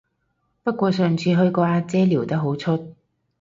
不過上次去個阿姐撩得好出